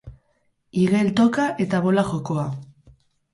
Igel toka eta bola jokoa.